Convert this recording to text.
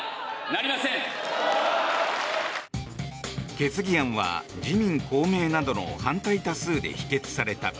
決議案は自民、公明などの反対多数で否決された。